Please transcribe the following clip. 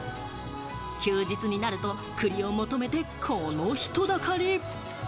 休日になると、栗を求めて、この人だかり！